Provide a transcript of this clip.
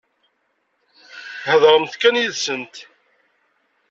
Heḍṛemt kan yid-sent.